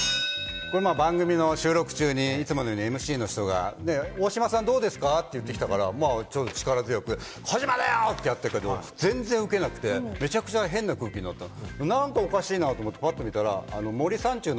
番組の収録中にいつものようにＭＣの人がオオシマさんどうですか？と言ってきたから、力強く「児嶋だよ！」と、全然ウケなくて、めちゃくちゃ変な空気になったの。